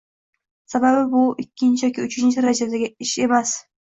Sababi bu ikkinchi yoki uchinchi darajadagi ish emas